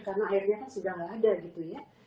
karena airnya kan sudah gak ada gitu ya